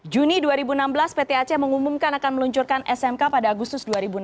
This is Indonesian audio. juni dua ribu enam belas pt aceh mengumumkan akan meluncurkan smk pada agustus dua ribu enam belas